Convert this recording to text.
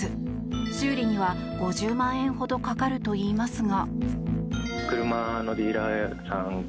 修理には５０万円ほどかかるといいますが。